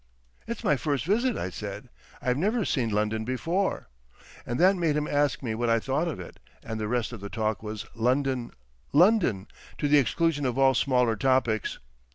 "It's my first visit," I said, "I've never seen London before"; and that made him ask me what I thought of it, and the rest of the talk was London, London, to the exclusion of all smaller topics.